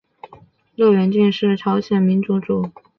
乐园郡是朝鲜民主主义人民共和国咸镜南道南部的一个郡。